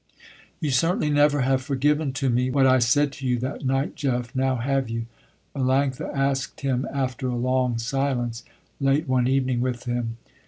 "You certainly never have forgiven to me, what I said to you that night, Jeff, now have you?" Melanctha asked him after a long silence, late one evening with him.